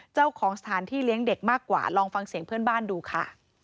เจ้าของสถานที่เลี้ยงเด็กมากกว่าลองฟังเสียงเพื่อนบ้านดูค่ะ